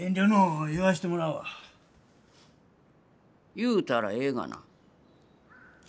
言うたらええがな。